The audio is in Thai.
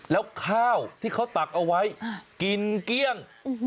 แล้วข้าวที่เขาตักเอาไว้กินเกลี้ยง